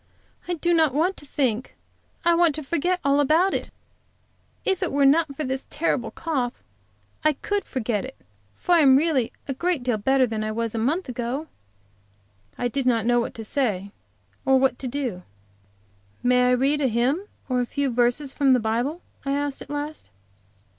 "I do not want to think. I want to forget all about it. If it were not for this terrible cough I could forget it, for I am really a great deal better than I was a month ago." I did not know what to say or what to do. "May I read a hymn or a few verses from the Bible?" I asked, at last.